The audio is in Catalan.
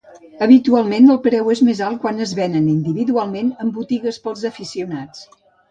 Habitualment el preu és més alt quan es venen individualment en botigues pels aficionats.